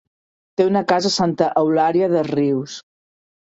Té una casa a Santa Eulària des Riu.